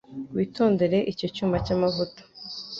Witondere icyo cyuma cyamavuta.